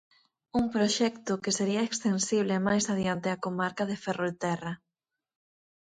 Un proxecto que sería extensible máis adiante á comarca de Ferrolterra.